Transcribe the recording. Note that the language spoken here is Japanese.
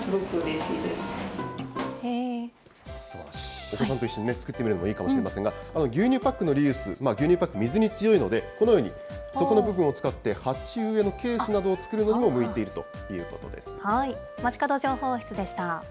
お子さんと一緒に作ってみるのもいいかもしれませんが、牛乳パックのリユース、牛乳パック水に強いので、このように、底の部分を使って鉢植えのケースなどをつくるのにもむいているということです